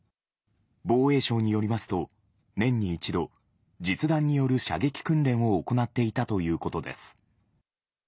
防衛省によりますと、年に一度、実弾による射撃訓練を行っていたということです。